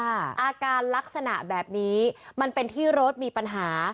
อาการลักษณะแบบนี้มันเป็นที่รถมีปัญหา